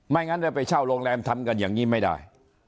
งั้นได้ไปเช่าโรงแรมทำกันอย่างนี้ไม่ได้